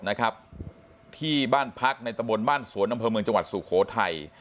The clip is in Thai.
นะครับที่บ้านพักในตะบนบ้านสวนอำเภอเมืองจังหวัดสุโขทัย